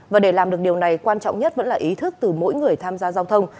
và để làm được điều này quan trọng nhất vẫn là ý thức từ mỗi người tham gia giao thông